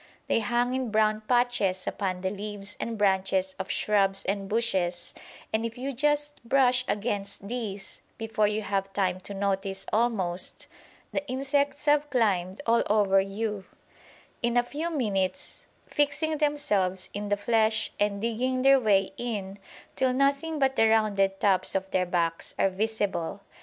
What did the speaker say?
They hang in brown patches upon the leaves and branches of shrubs and bushes, and if you just brush against these, before you have time to notice almost, the insects have climbed all over you, in a few minutes fixing themselves in the flesh and digging their way in till nothing but the rounded tops of their backs are visible.